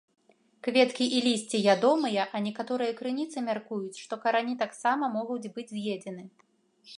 Кветкі і лісце ядомыя, а некаторыя крыніцы мяркуюць, што карані таксама могуць быць з'едзены.